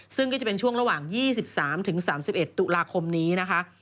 ซึ่งก็จะเป็นช่วงระหว่าง๒๓๓๑ตุลาคมนี้นะคะ